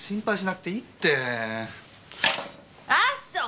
あっそう！